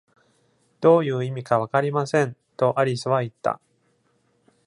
「どういう意味かわかりません」とアリスは言った。